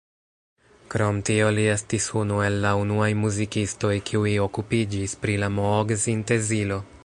Krom tio li estis unu el la unuaj muzikistoj, kiuj okupiĝis pri la Moog-sintezilo.